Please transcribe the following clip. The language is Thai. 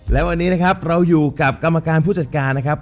และวันนี้นะครับเราอยู่กับกรรมการผู้จัดการนะครับ